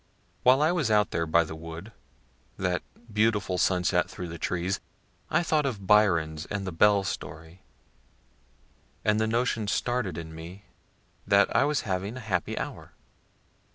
While I was out there by the wood, that beautiful sunset through the trees, I thought of Byron's and the bell story, and the notion started in me that I was having a happy hour.